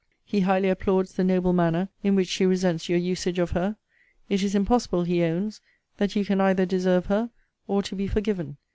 'He highly applauds the noble manner in which she resents your usage of her. It is impossible, he owns, that you can either deserve her, or to be forgiven.